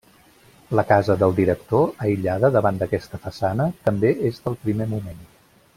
La casa del director, aïllada davant d’aquesta façana, també és del primer moment.